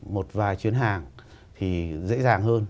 một vài chuyến hàng thì dễ dàng hơn